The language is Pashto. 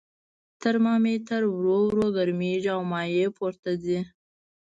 ترمامتر ورو ورو ګرمیږي او مایع پورته ځي.